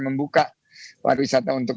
membuka pariwisata untuk